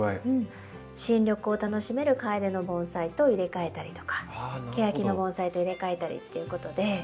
新緑を楽しめるカエデの盆栽と入れ替えたりとかケヤキの盆栽と入れ替えたりっていうことで。